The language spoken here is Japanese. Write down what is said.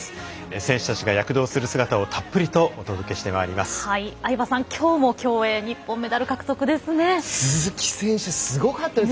選手たちが躍動する姿をたっぷりと相葉さん、きょうも競泳鈴木選手すごかったです。